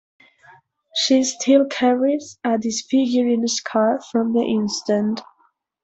She still carries a disfiguring scar from the incident.